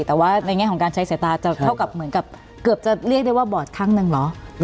แต่ว่าในแง่ของการใช้สายตาจะเกือบจะเรียกได้ว่าบอร์ดข้างหนึ่งเหรอ